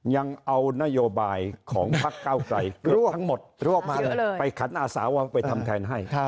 ยังเอานโยบายของพักเก้าไกลไปขันอาสาวะไปทำแทนให้